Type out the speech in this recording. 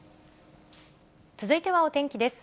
続いてはお天気です。